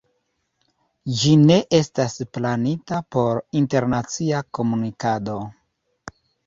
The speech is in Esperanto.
Ĝi ne estas planita por internacia komunikado.